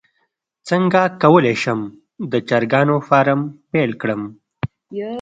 څنګه کولی شم د چرګانو فارم پیل کړم